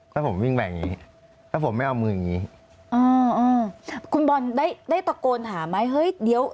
ถ้าผมวิ่งแบบนี้ถ้าผมไม่เอามืออย่างงี้อ๋ออ๋อคุณบอลได้ได้ตะโกนหาไหมเฮ้ยเดี๋ยว